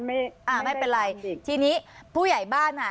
อ่าไม่เป็นไรทีนี้ผู้ใหญ่บ้านอ่ะ